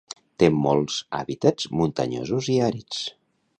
Té molts hàbitats muntanyosos i àrids.